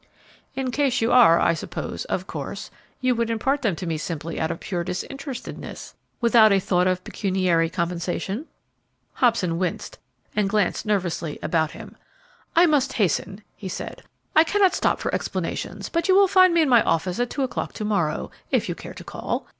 "In case you are, I suppose, of course, you would impart them to me simply out of pure disinterestedness, without a thought of pecuniary compensation?" Hobson winced and glanced nervously about him. "I must hasten," he said; "I cannot stop for explanations; but you will find me in my office at two o'clock to morrow, if you care to call.